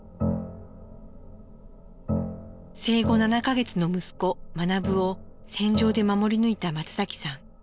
生後７か月の息子学を戦場で守り抜いた松崎さん。